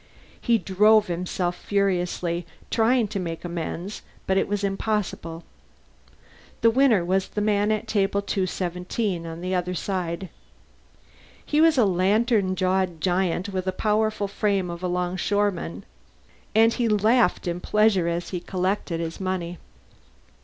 He drove himself furiously, trying to make amends, but it was impossible. The winner was the man at Table 217, on the other side. He was a lantern jawed giant with the powerful frame of a longshoreman, and he laughed in pleasure as he collected his money.